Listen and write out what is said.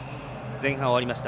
前半終わりました。